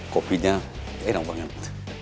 kopinya enak banget